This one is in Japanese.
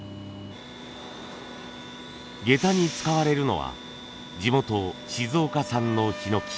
下駄に使われるのは地元静岡産のヒノキ。